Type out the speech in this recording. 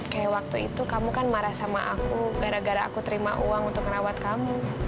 kayak waktu itu kamu kan marah sama aku gara gara aku terima uang untuk merawat kamu